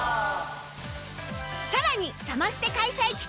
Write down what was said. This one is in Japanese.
さらにサマステ開催期間